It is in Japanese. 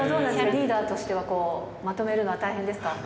リーダーとしてはまとめるのは大変ですか？